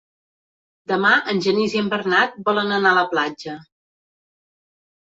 Demà en Genís i en Bernat volen anar a la platja.